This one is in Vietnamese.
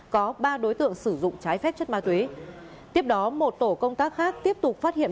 có ba đối tượng sử dụng trái phép chất ma túy tiếp đó một tổ công tác khác tiếp tục phát hiện